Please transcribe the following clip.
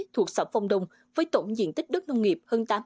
thuộc xã phong đông với tổng diện tích đất nông nghiệp